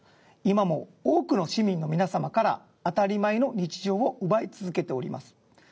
今も多くの市民の皆様から当たり前の日常を奪い続けております。